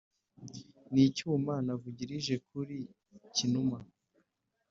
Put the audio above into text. n'icyuma navugilije kuli cyinuma.